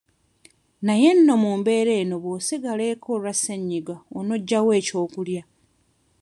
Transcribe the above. Naye nno mu mbeera eno bw'osigala eka olwa ssenyiga on'oggya wa ekyokulya?